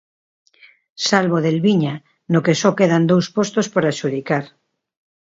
Salvo o de Elviña, no que só quedan dous postos por adxudicar.